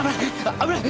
危ない。